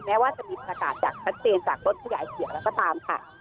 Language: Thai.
แม้ว่าจะมีประกาศจากทัศน์เตรียมจากรถผู้ใหญ่เสียแล้วก็ตามค่ะ